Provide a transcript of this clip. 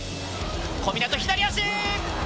小湊、左足！